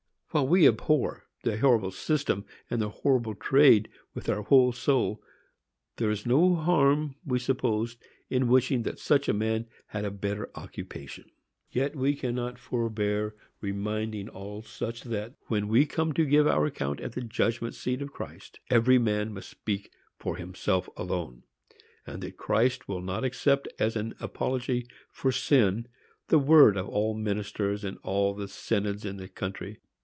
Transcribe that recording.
While we abhor the horrible system and the horrible trade with our whole soul, there is no harm, we suppose, in wishing that such a man had a better occupation. Yet we cannot forbear reminding all such that, when we come to give our account at the judgment seat of Christ, every man must speak for himself alone; and that Christ will not accept as an apology for sin the word of all the ministers and all the synods in the country.